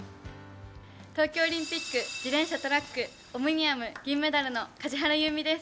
東京オリンピック自転車トラック、オムニアム銀メダルの梶原悠未です。